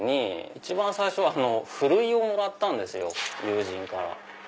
一番最初ふるいをもらったんです友人から。